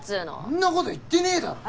んなこと言ってねぇだろ。